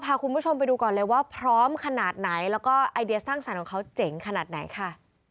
พาคุณผู้ชมไปดูก่อนเลยว่าพร้อมขนาดไหนแล้วก็ไอเดียสร้างสรรค์ของเขาเจ๋งขนาดไหนค่ะ